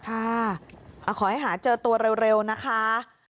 ขอให้หาเจอตัวเร็วนะคะ